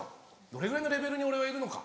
どれぐらいのレベルに俺はいるのか？